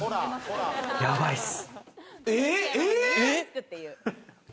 やばいっす！